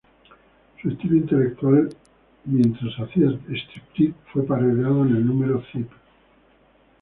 Su estilo intelectual mientras hacía striptease fue parodiado en el número "Zip!